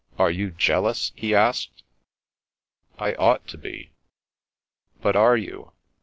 '' Are you jealous ?" he asked. " I ought to be." " But are you